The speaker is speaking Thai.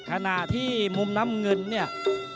ขณะที่มุมน้ำเงินเนี่ย